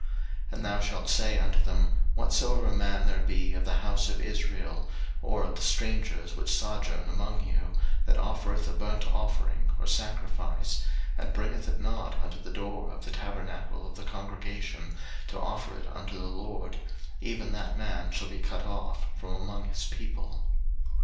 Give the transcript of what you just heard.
03:017:008 And thou shalt say unto them, Whatsoever man there be of the house of Israel, or of the strangers which sojourn among you, that offereth a burnt offering or sacrifice, 03:017:009 And bringeth it not unto the door of the tabernacle of the congregation, to offer it unto the LORD; even that man shall be cut off from among his people.